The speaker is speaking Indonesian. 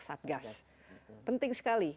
satgas penting sekali